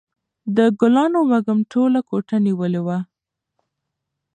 د ګلانو وږم ټوله کوټه نیولې وه.